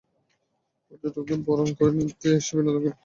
পর্যটকদের বরণ করে নিতে এসব বিনোদনকেন্দ্রে বিভিন্ন অনুষ্ঠানের আয়োজন করা হয়।